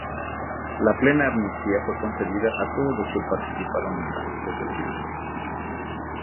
La plena amnistía fue concedida a todos los que participaron en la secesión.